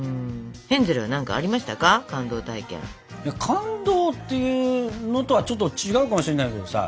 感動っていうのとはちょっと違うかもしれないけどさ。